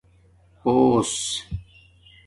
پݸس